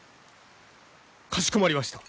かしこまりました。